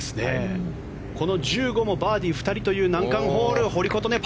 この１５もバーディー２人という難関ホール。